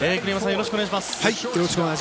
よろしくお願いします。